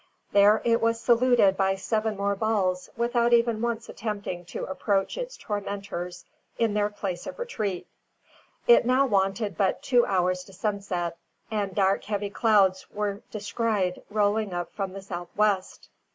There it was saluted by seven more balls without even once attempting to approach its tormentors in their place of retreat. It now wanted but two hours to sunset, and dark heavy clouds were descried rolling up from the south west.